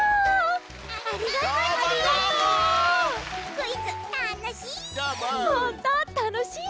クイズたのしい！